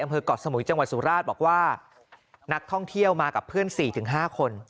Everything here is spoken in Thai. เกาะสมุยจังหวัดสุราชบอกว่านักท่องเที่ยวมากับเพื่อน๔๕คน